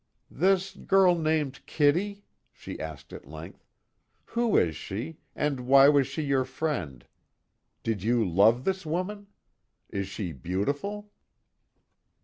"This girl named Kitty?" she asked at length, "Who is she, and why was she your friend? Did you love this woman? Is she beautiful?"